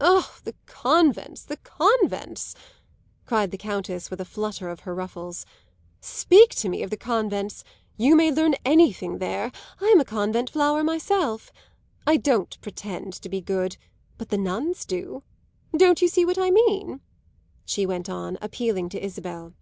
"Oh, the convents, the convents!" cried the Countess with a flutter of her ruffles. "Speak to me of the convents! You may learn anything there; I'm a convent flower myself. I don't pretend to be good, but the nuns do. Don't you see what I mean?" she went on, appealing to Isabel.